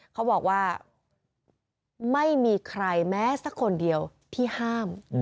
เขาบอกว่าไม่มีใครแม้สักคนเดียวที่ห้าม